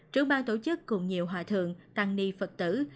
trưởng bang tổ chức cùng nhiều hòa thượng tăng ni phật tử